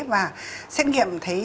và xét nghiệm thấy